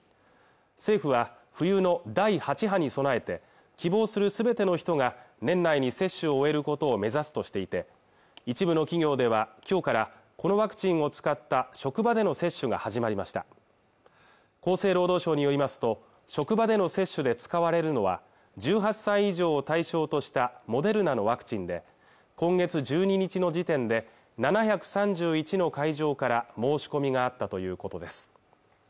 政府は冬の第８波に備えて希望するすべての人が年内に接種を終えることを目指すとしていて一部の企業では今日からこのワクチンを使った職場での接種が始まりました厚生労働省によりますと職場での接種で使われるのは１８歳以上を対象としたモデルナのワクチンで今月１２日の時点で７３１の会場から申し込みがあったということです